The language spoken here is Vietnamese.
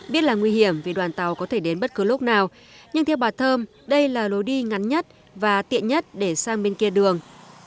biết là nguy hiểm vì đoàn tàu có thể đến bất cứ lúc nào nhưng theo bà thơm đây là lối đi ngắn nhất và tiện nhất để sang bên kia đường